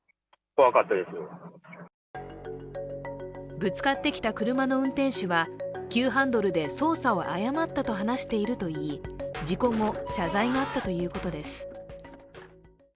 ぶつかってきた車の運転手は急ハンドルで操作を誤ったと話しているといい事故後、謝罪があったということです。